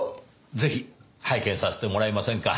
ぜひ拝見させてもらえませんか？